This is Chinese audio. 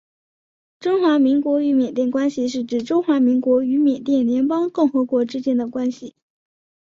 中华民国与缅甸关系是指中华民国与缅甸联邦共和国之间的关系。